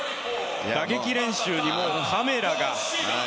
打撃練習にカメラが。